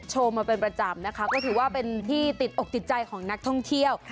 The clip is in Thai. มาเป็นประจำนะคะก็ถือว่าเป็นที่ติดอกติดใจของนักท่องเที่ยว